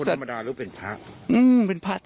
คิดว่าท่านนี้อยูเป็นภาคหรือเป็นภาค